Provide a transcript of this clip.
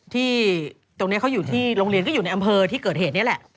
ที่ตรงนี้เขาอยู่ที่โรงเรียนก็อยู่ในอำเภอที่เกิดเหตุนี่แหละ